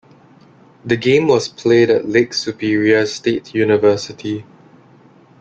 The game was played at Lake Superior State University.